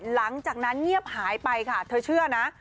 หลังจากนั้นเงียบหายไปค่ะเธอเชื่อนะ